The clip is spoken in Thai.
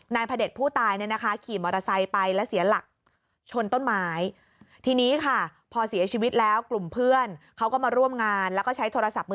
นายพระเด็จผู้ตายขี่มอเตอร์ไซต์ไปแล้วเสียหลักชนต้นไม้